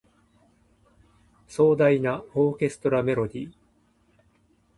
壮大なオーケストラメロディ